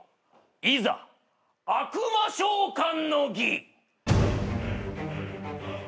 いざ悪魔召喚の儀。